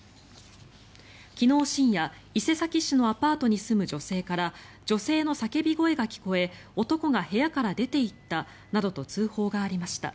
昨日深夜、伊勢崎市のアパートに住む女性から女性の叫び声が聞こえ男が部屋から出ていったなどと通報がありました。